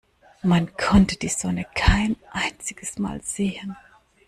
Man konnte die Sonne kein einziges Mal sehen.